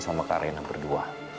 sama kak reina berdua